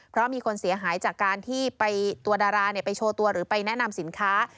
เพราะมีคนเสียหายจากการที่ตัวดาราไปโชว์ตัวหรือไปแนะนำสินค้า